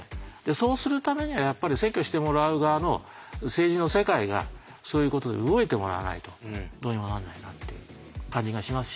そうするためにはやっぱり選挙してもらう側の政治の世界がそういうことで動いてもらわないとどうにもなんないなって感じがしますし。